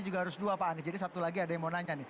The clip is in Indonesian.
juga harus dua pak anies jadi satu lagi ada yang mau nanya nih